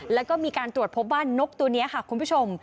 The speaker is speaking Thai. แล้วก็มีการตรวจพบว่านกตัวนี้ค่ะคุณผู้ชม